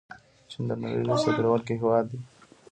چین د نړۍ لوی صادروونکی هیواد دی.